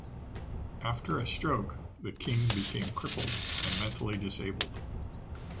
After a stroke, the King became crippled and mentally disabled.